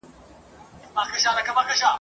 پر مېړه یو کال خواري وي، پر سپي سړي همېشه !.